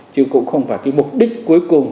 chứ cũng không phải cái mục đích cuối cùng